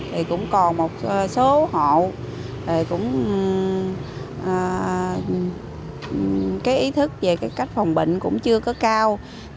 thì cũng còn một số họ ý thức về cách phòng bệnh cũng chưa có cao